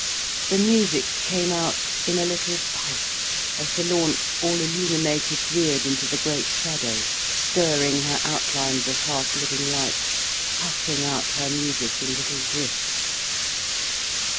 The music came out in a little puff, as the launch, all illuminated, veered into the great shadow, stirring her outlines of half living lights, puffing out her music in little drifts.